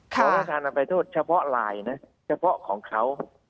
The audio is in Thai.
ขอรับราษฐานอภัยโทษเฉพาะลายเฉพาะของเขา